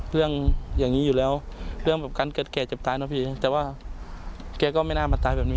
เรื่องอย่างนี้อยู่แล้วเรื่องแบบการเกิดแก่เจ็บตายนะพี่แต่ว่าแกก็ไม่น่ามาตายแบบนี้